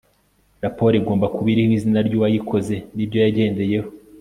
raporo igomba kuba iriho izina ryuwayikoze nibyo yagendeyeho